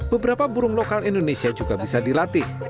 beberapa burung lokal indonesia juga bisa dilatih